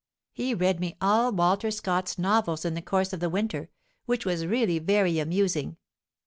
He read me all Walter Scott's novels in the course of the winter, which was really very amusing.